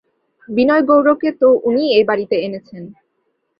বিনয়-গৌরকে তো উনিই এ বাড়িতে এনেছেন।